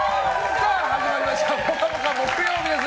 さあ始まりました「ぽかぽか」木曜日です。